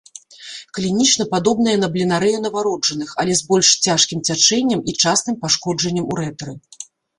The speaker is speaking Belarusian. Клінічна падобная на бленарэю нованароджаных, але з больш цяжкім цячэннем і частым пашкоджаннем урэтры.